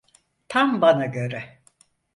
Tam bana göre.